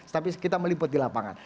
tapi kita meliput di lapangan